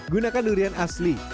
gunakan durian asli